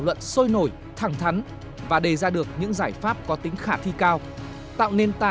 tạo nền tảng để đạt được những giải pháp có tính khả thi cao